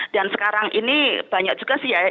dan sekarang ini banyak juga sih ya